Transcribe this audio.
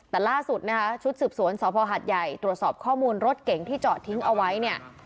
แต่ล่าสุดนะคะชุดสืบสวนสภหัดใหญ่ตรวจสอบข้อมูลรถเก๋งที่จอดทิ้งเอาไว้เนี่ย